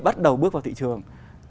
bắt đầu bước vào thị trường